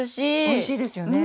おいしいですよね。